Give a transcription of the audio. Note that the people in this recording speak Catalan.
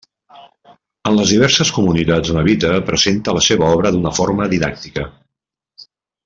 En les diverses comunitats on habita presenta la seva obra d'una forma didàctica.